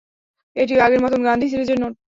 এটিও আগের মতন গান্ধী সিরিজের নোট।